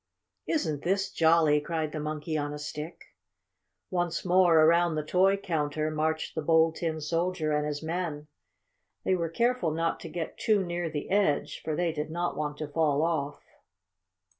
"Isn't this jolly!" cried the Monkey on a Stick. Once more around the toy counter marched the Bold Tin Soldier and his men. They were careful not to get too near the edge, for they did not want to fall off.